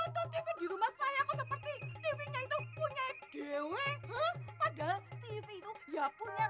coba di rumah saya seperti punya dewi tv itu ya punya saya